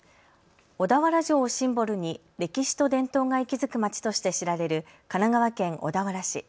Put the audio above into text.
小田原城をシンボルに歴史と伝統が息づく町として知られる神奈川県小田原市。